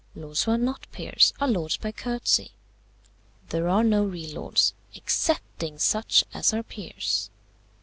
Lords who are not peers are lords by courtesy: there are no real lords, excepting such as are peers.